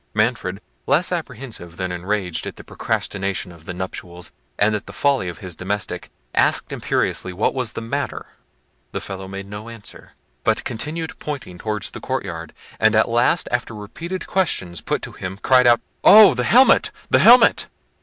Manfred, less apprehensive than enraged at the procrastination of the nuptials, and at the folly of his domestic, asked imperiously what was the matter? The fellow made no answer, but continued pointing towards the courtyard; and at last, after repeated questions put to him, cried out, "Oh! the helmet! the helmet!"